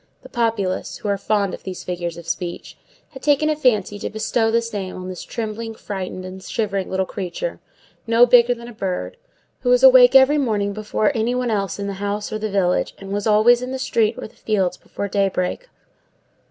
The populace, who are fond of these figures of speech, had taken a fancy to bestow this name on this trembling, frightened, and shivering little creature, no bigger than a bird, who was awake every morning before any one else in the house or the village, and was always in the street or the fields before daybreak.